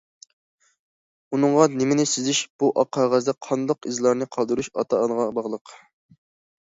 ئۇنىڭغا نېمىنى سىزىش، بۇ ئاق قەغەزدە قانداق ئىزلارنى قالدۇرۇش ئاتا- ئانىغا باغلىق.